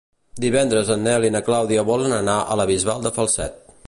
Divendres en Nel i na Clàudia volen anar a la Bisbal de Falset.